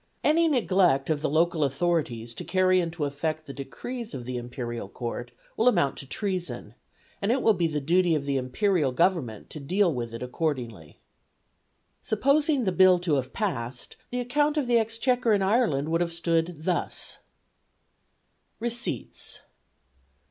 Any neglect of the local authorities to carry into effect the decrees of the Imperial Court will amount to treason, and it will be the duty of the Imperial Government to deal with it accordingly. Supposing the Bill to have passed, the account of the Exchequer in Ireland would have stood thus: RECEIPTS.